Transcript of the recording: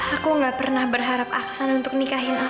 aku gak pernah berharap aksan untuk nikahin aku